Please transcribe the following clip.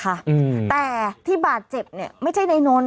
ยืนยันว่าไม่เป็นเรื่องจริงนะคะแต่ที่บาดเจ็บเนี่ยไม่ใช่ในนนท์